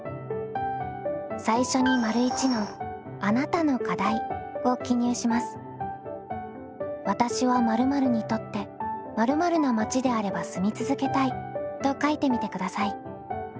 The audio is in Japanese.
最初に「わたしは○○にとって○○な町であれば住み続けたい」と書いてみてください。